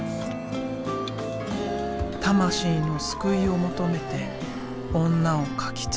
魂の救いを求めて女を描き続ける。